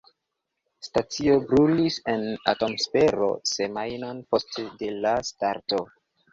Stacio brulis en atmosfero semajnon post de la starto.